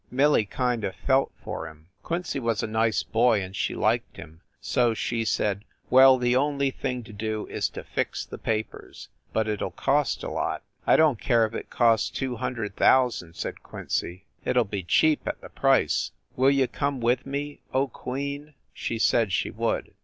Millie kind of felt for him. Quincy was a nice boy and she liked him. So she said, "Well, the only thing to do is to fix the papers but it ll cost a lot !" "I don t care if it costs two hundred thousand," says Quincy. "It ll be cheap at the price. Will you come with me, O Queen?" She said she would.